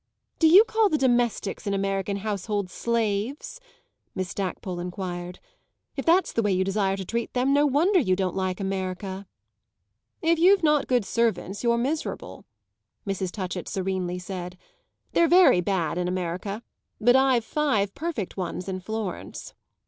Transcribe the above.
"Do you call the domestics in an American household 'slaves'?" Miss Stackpole enquired. "If that's the way you desire to treat them, no wonder you don't like America." "If you've not good servants you're miserable," Mrs. Touchett serenely said. "They're very bad in America, but I've five perfect ones in Florence."